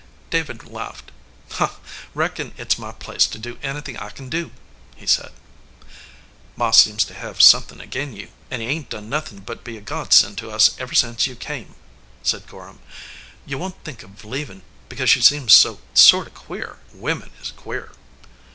David laughed. "Reckon it s my place to do anythin I kin do," he said. "Ma seems to hev somethin ag in* you, an* you ain t done nothin but be a godsend to us ever sence you come," said Gorham. "You won t think of leavin because she seems so sort of queer? Women is queer."